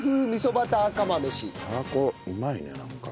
たらこうまいねなんか。